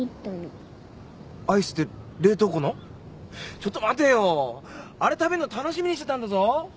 ちょっと待てよあれ食べるの楽しみにしてたんだぞ。